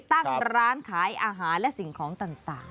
ตั้งร้านขายอาหารและสิ่งของต่าง